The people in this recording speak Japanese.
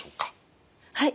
はい。